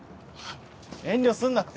遠慮すんなって。